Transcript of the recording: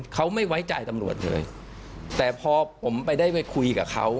เขาไม่ไว้ใจตำรวจเลยแต่พอผมไปได้ไปคุยกับเขา